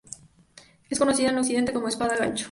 Es conocida en Occidente como espada gancho.